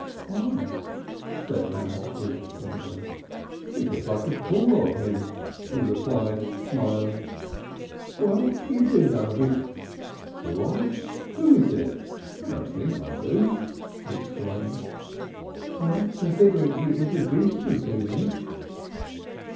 "Why?" said Hannah, innocently. "Because I could call on him," he replied, smiling. "Well, you do know him," she could not help saying. "Do I? Who is it? I don't think I do," he exclaimed. "Well, considering he introduced you to me!"